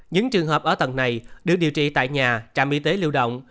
những trường hợp ở tầng này được điều trị tại nhà trạm y tế lưu động